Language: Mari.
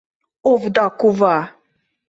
Овда кува!